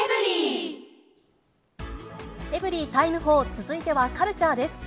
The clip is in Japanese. エブリィタイム４、続いてはカルチャーです。